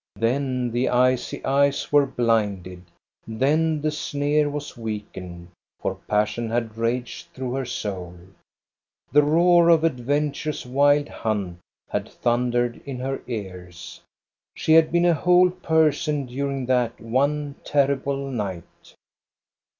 Then the icy eyes were blinded, then the sneer was weakened, for passion had raged through her soul. The roar of adventure's wild hunt had thundered in her ears. She had been a whole person during that one terrible night.